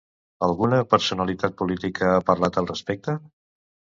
Alguna personalitat política ha parlat al respecte?